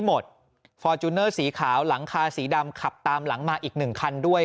หมดฟอร์จูเนอร์สีขาวหลังคาสีดำขับตามหลังมาอีกหนึ่งคันด้วย